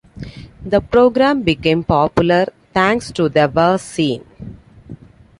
The program became popular thanks to the warez scene.